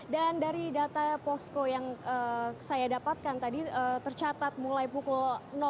dan dari data posko yang saya dapatkan tadi tercatat mulai pukul